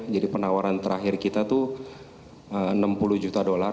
jadi penawaran terakhir kita itu enam puluh juta dolar